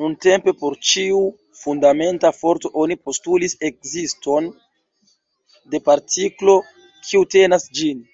Nuntempe por ĉiu fundamenta forto oni postulis ekziston de partiklo, kiu tenas ĝin.